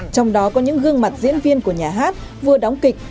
trong đó có những gương mặt diễn viên của nhà hát vừa đóng kịch